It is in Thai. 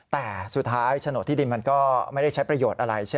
แต่สุดท้ายฉนดที่ดินก็ไม่ใช้ประโยชน์อะไร